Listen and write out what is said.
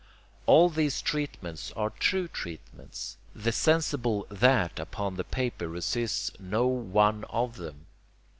All these treatments are true treatments the sensible THAT upon the paper resists no one of them.